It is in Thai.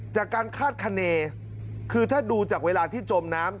คาดคณีคือถ้าดูจากเวลาที่จมน้ำ